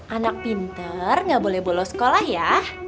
anak pinter nggak boleh bolos sekolah ya